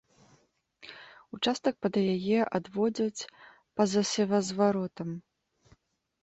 Участак пад яе адводзяць па-за севазваротам.